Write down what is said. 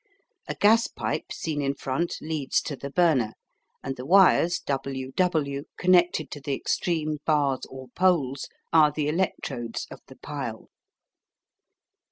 A gas pipe seen in front leads to the burner, and the wires WW connected to the extreme bars or poles are the electrodes of the pile.